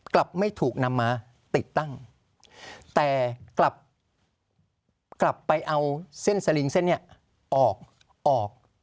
กลับไม่ถูกนำมาติดตั้งแต่กลับไปเอาเส้นสลิงเส้นนี้ออกออก